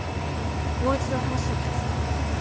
もう一度話を聞かせて。